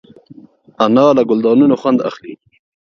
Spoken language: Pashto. انا له ګلدانونو خوند اخلي